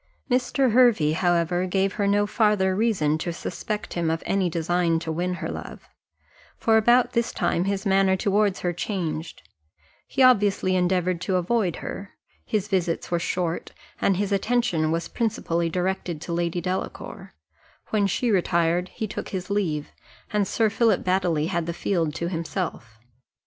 Mr. Hervey, however, gave her no farther reason to suspect him of any design to win her love; for about this time his manner towards her changed, he obviously endeavoured to avoid her; his visits were short, and his attention was principally directed to Lady Delacour; when she retired, he took his leave, and Sir Philip Baddely had the field to himself.